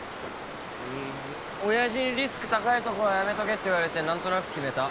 うーん親父にリスク高いとこはやめとけって言われてなんとなく決めた。